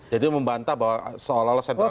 jadi membantah bahwa seolah olah sentralistik itu salah